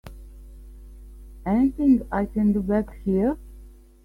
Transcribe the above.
Anything I can do back here?